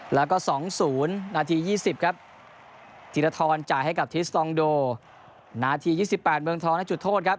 แล้วก็๒๐นาที๒๐ครับธีรทรจ่ายให้กับทิสตองโดนาที๒๘เมืองทองในจุดโทษครับ